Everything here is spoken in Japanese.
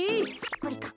これか。